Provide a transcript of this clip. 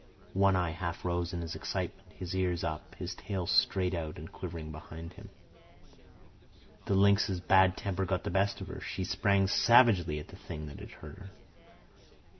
One Eye half arose in his excitement, his ears up, his tail straight out and quivering behind him. The lynx's bad temper got the best of her. She sprang savagely at the thing that had hurt her.